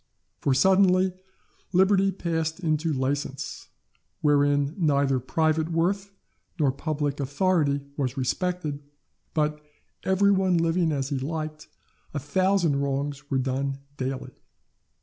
For, suddenly, liberty passed into license, wherein neither private worth nor public authority was respected, but, every one living as he liked, a thousand wrongs were done daily.